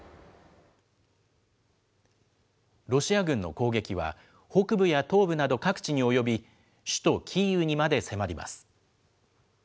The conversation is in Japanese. ロシア軍の攻撃は北部や東部など各地に及び、首都キーウにまで迫ります。